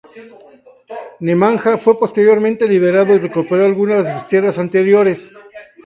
Nemanja fue posteriormente liberado y recuperó algunas de sus tierras anteriores.